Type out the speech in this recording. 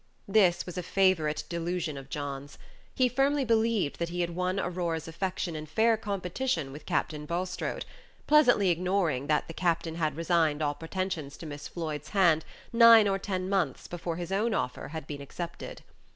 This was a favorite delusion of John's. He firmly believed that he had won Aurora's affection in fair competition with Captain Bulstrode, pleasantly ignoring that the captain had resigned all pretensions to Miss Floyd's hand nine or ten months before his own offer had been accepted.